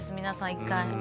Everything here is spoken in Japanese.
皆さん１回。